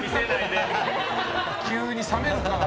急に冷めるから。